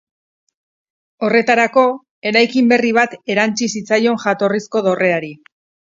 Horretarako, eraikin berri bat erantsi zitzaion jatorrizko dorreari.